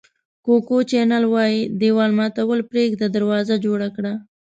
کوکو چینل وایي دېوال ماتول پرېږده دروازه جوړه کړه.